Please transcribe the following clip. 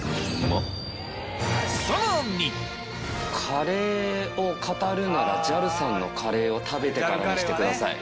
カレーを語るならＪＡＬさんのカレーを食べてからにしてください。